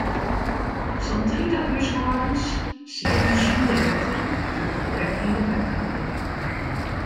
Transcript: Sa'n tritich húshâldens sieten sonder wetter troch in lek yn de wetterlieding.